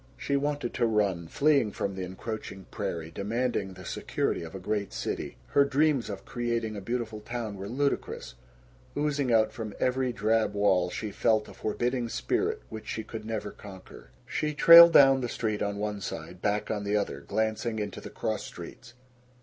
She wanted to run, fleeing from the encroaching prairie, demanding the security of a great city. Her dreams of creating a beautiful town were ludicrous. Oozing out from every drab wall, she felt a forbidding spirit which she could never conquer. She trailed down the street on one side, back on the other, glancing into the cross streets.